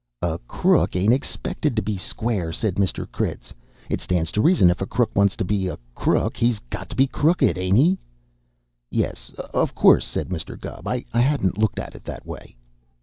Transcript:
"A crook ain't expected to be square," said Mr. Critz. "It stands to reason, if a crook wants to be a crook, he's got to be crooked, ain't he?" "Yes, of course," said Mr. Gubb. "I hadn't looked at it that way."